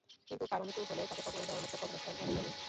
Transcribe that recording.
কিন্তু কারও মৃত্যু হলে তাকে কবর দেওয়ার মতো কবরস্থান এলাকায় নেই।